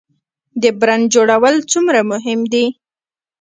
د برنډ جوړول څومره مهم دي؟